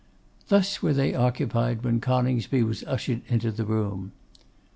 Thus were they occupied when Coningsby was ushered into the room.